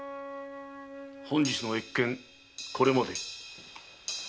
本日の謁見これまで。